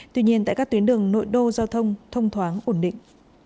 tuy nhiên tại các tuyến đường nội đô giao thông thông thoáng ổn định